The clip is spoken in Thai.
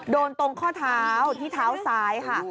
โดนตรงข้อเท้าที่เท้าซ้ายค่ะ